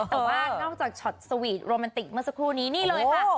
แต่ว่านอกจากช็อตสวีทโรแมนติกเมื่อสักครู่นี้นี่เลยค่ะ